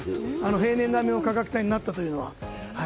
平年並みの価格帯になったのは。